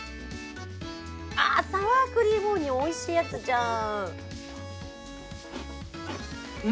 あー、サワークリームオニオン、おいしいやつじゃん。